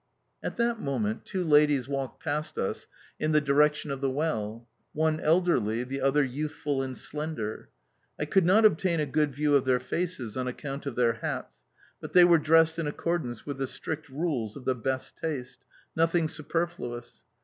At that moment two ladies walked past us in the direction of the well; one elderly, the other youthful and slender. I could not obtain a good view of their faces on account of their hats, but they were dressed in accordance with the strict rules of the best taste nothing superfluous.